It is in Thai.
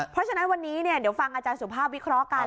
เพราะฉะนั้นวันนี้เดี๋ยวฟังอาจารย์สุภาพวิเคราะห์กัน